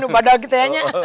padahal kita hanya